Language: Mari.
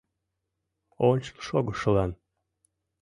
Ончылшогышылан.